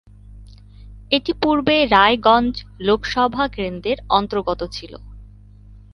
এটি পূর্বে রায়গঞ্জ লোকসভা কেন্দ্রের অন্তর্গত ছিল।